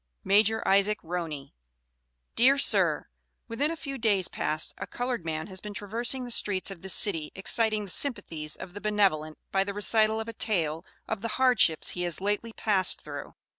MAJOR ISAAC RONEY: DEAR SIR: Within a few days past a colored man has been traversing the streets of this city, exciting the sympathies of the benevolent by the recital of a tale of the hardships he has lately passed through.